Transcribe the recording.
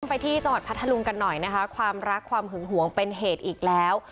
ไปที่จังหวัดพัทธลุงกันหน่อยนะคะความรักความหึงหวงเป็นเหตุอีกแล้ว